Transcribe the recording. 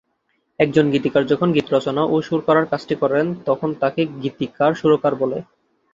একজন গীতিকার যখন গীত রচনা ও সুর করার কাজটি করেন তখন তাকে গীতিকার-সুরকার বলে।